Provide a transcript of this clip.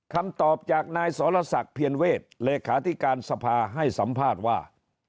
คำตอบจากนายสรศักดิ์เพียรเวศเลขาธิการสภาให้สัมภาษณ์ว่า